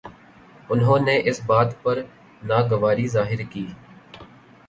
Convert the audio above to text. انہوں نے اس بات پر ناگواری ظاہر کی